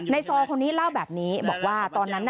นายซอคนนี้เล่าแบบนี้บอกว่า